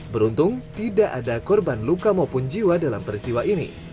beruntung tidak ada korban luka maupun jiwa dalam peristiwa ini